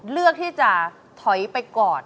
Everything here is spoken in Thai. เลือกที่จะถอยไปก่อน